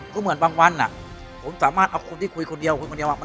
ก็เหมือนบางวันผมสามารถเอาคนที่คุยคนเดียวคุยคนเดียว